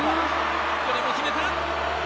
これも決めた！